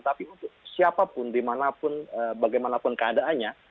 tapi untuk siapapun dimanapun bagaimanapun keadaannya